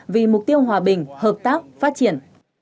vì mục tiêu hòa bình hợp tác phát triển